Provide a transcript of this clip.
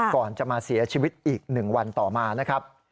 ก่อนจะมาเสียชีวิตอีก๑วันต่อมานะครับ